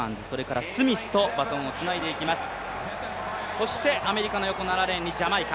そしてアメリカの横、７レーンにジャマイカ。